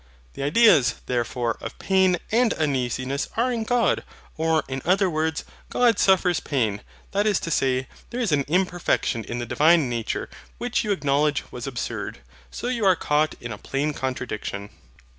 The ideas, therefore, of pain and uneasiness are in God; or, in other words, God suffers pain: that is to say, there is an imperfection in the Divine nature: which, you acknowledged, was absurd. So you are caught in a plain contradiction.